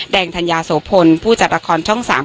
ธัญญาโสพลผู้จัดละครช่อง๓๒